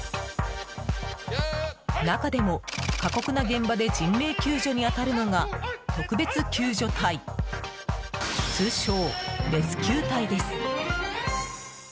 中でも、過酷な現場で人命救助に当たるのが特別救助隊通称レスキュー隊です。